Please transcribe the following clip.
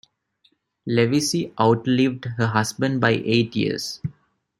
Levicy outlived her husband by eight years.